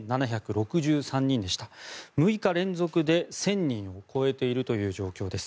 ６日連続で１０００人を超えているという状況です。